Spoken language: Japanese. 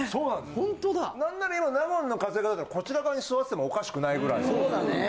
ホントだ何なら今納言の活躍だったらこちら側に座っててもおかしくないぐらいのそうだね